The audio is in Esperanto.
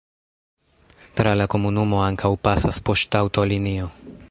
Tra la komunumo ankaŭ pasas poŝtaŭtolinio.